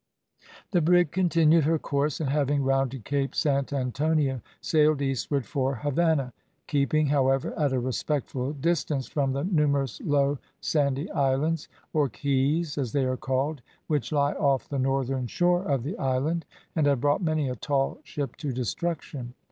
The brig continued her course, and having rounded Cape Saint Antonio sailed eastward for Havannah; keeping, however, at a respectful distance from the numerous low sandy islands, or keys as they are called, which lie off the northern shore of the island, and have brought many a tall ship to destruction.